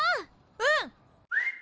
うん！